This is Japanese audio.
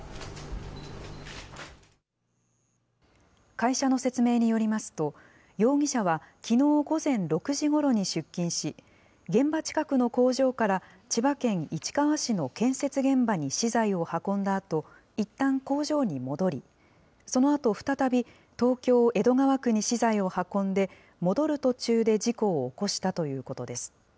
会社の説明によりますと、容疑者は、きのう午前６時ごろに出勤し、現場近くの工場から千葉県市川市の建設現場に資材を運んだあと、いったん工場に戻り、そのあと再び東京・江戸川区に資材を運んで、戻る途中で事故を起こしたということです。